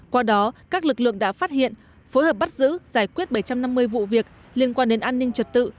qua đó các lực lượng đã phát hiện phối hợp bắt giữ giải quyết bảy trăm năm mươi vụ việc liên quan đến an ninh trật tự